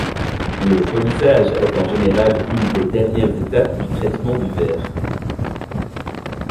Le polissage est en général une des dernières étapes de traitement du verre.